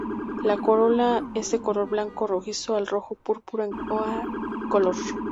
La corola es de color blanco o rojizo al rojo púrpura en color.